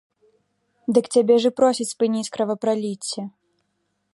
Дык цябе ж і просяць спыніць кровапраліцце!